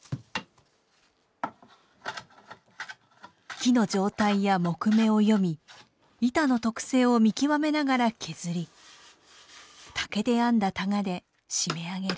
木の状態や木目を読み板の特性を見極めながら削り竹で編んだタガで締め上げる。